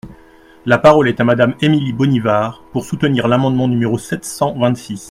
La parole est à Madame Émilie Bonnivard, pour soutenir l’amendement numéro sept cent vingt-six.